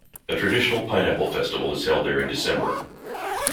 A traditional Pineapple Festival is held there in December.